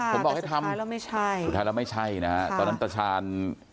ค่ะแต่สุดท้ายแล้วไม่ใช่สุดท้ายแล้วไม่ใช่นะตอนนั้นตะชาน